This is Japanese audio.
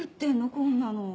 こんなの。